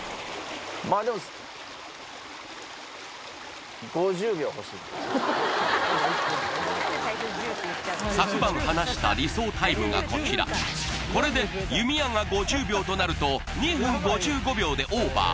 まあでも昨晩話した理想タイムがこちらこれで弓矢が５０秒となると２分５５秒でオーバー